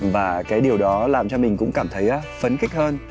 và cái điều đó làm cho mình cũng cảm thấy phấn khích hơn